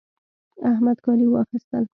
احمد کالي واخيستل